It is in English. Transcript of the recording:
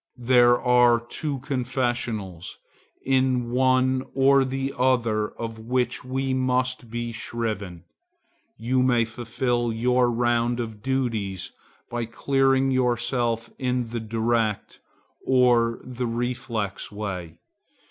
There are two confessionals, in one or the other of which we must be shriven. You may fulfil your round of duties by clearing yourself in the direct, or in the reflex way.